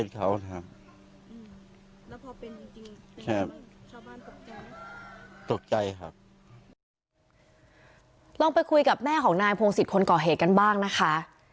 เราไปคุยกับแม่ของนายพงศิษย์คนก่อเหตุกันบ้างนะคะ